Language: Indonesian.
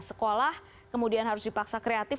sekolah kemudian harus dipaksa kreatif